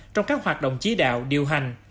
trong các hoạt động chí đạo điều hành